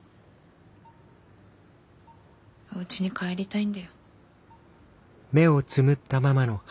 おうちに帰りたいんだよ。